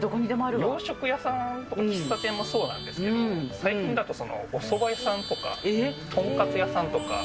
洋食屋さん、喫茶店もそうなんですけど、最近だとおそば屋さんだとか、豚カツ屋さんとか。